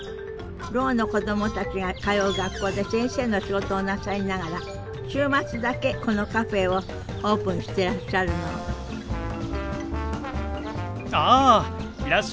ろうの子供たちが通う学校で先生の仕事をなさりながら週末だけこのカフェをオープンしてらっしゃるのあいらっしゃいませ。